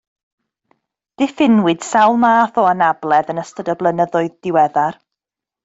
Diffiniwyd sawl math o anabledd yn ystod y blynyddoedd diweddar